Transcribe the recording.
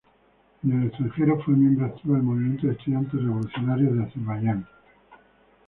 En el extranjero, fue miembro activo del movimiento de estudiantes revolucionarios de Azerbaiyán.